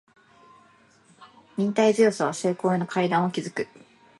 忍耐強さは成功への階段を築く